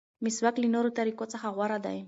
مسواک له نورو طریقو څخه غوره دی.